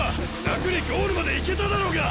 楽にゴールまで行けただろうが！